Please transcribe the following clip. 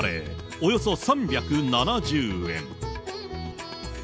およそ３７０円。